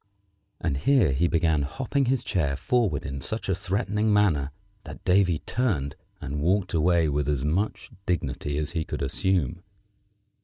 and here he began hopping his chair forward in such a threatening manner that Davy turned and walked away with as much dignity as he could assume.